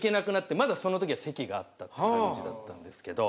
まだその時は籍があったっていう感じだったんですけど。